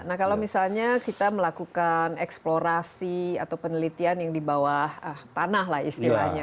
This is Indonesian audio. nah kalau misalnya kita melakukan eksplorasi atau penelitian yang di bawah tanah lah istilahnya